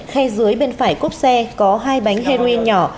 khay dưới bên phải cốt xe có hai bánh heroin nhỏ